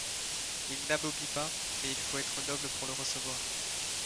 Il n'anoblit pas, mais il faut être noble pour le recevoir.